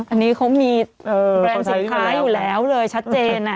อันนี้เขามีแบรนด์สินค้าอยู่แล้วเลยชัดเจน